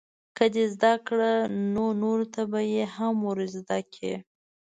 که دې زده کړه نو نورو ته به یې هم ورزده کړې.